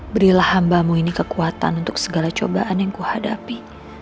berilah hambamu ini kekuatan untuk segala cobaan yang kuhadapi